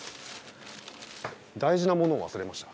大事なものを忘れました。